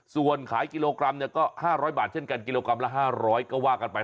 ส่วนขายกิโลกรัมก็๕๐๐บาทเช่นกันกิโลกรัมละ๕๐๐ก็ว่ากันไป